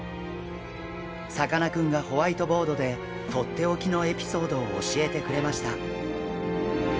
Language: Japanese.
さかなクンがホワイトボードでとっておきのエピソードを教えてくれました。